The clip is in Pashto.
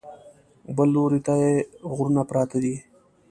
بل لوري ته یې غرونه پراته دي.